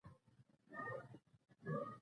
وايي چې پۀ ترلاندۍ کلي کښې